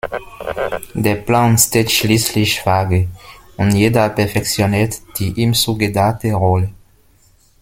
Der Plan steht schließlich vage, und jeder perfektioniert die ihm zugedachte Rolle.